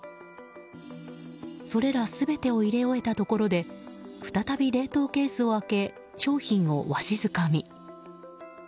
それら全てを入れ終えたところで再び冷凍ケースを開け商品をわしづかみ。